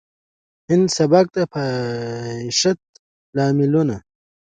د هندي سبک د پايښت لاملونه